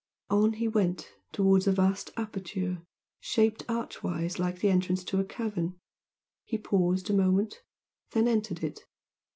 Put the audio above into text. On he went towards a vast aperture, shaped arch wise like the entrance to a cavern he paused a moment then entered it.